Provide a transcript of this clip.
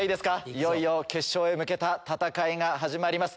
いよいよ決勝へ向けた戦いが始まります。